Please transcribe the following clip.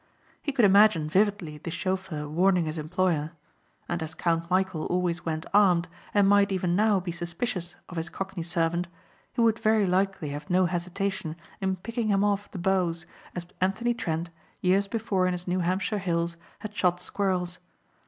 He could imagine vividly the chauffeur warning his employer. And as Count Michæl always went armed and might even now be suspicious of his cockney servant he would very likely have no hesitation in picking him off the boughs as Anthony Trent, years before in his New Hampshire hills, had shot squirrels.